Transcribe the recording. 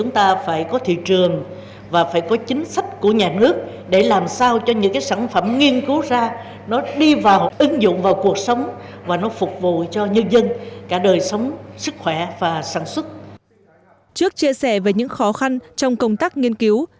trước chia sẻ về những khó khăn trong công tác nghiên cứu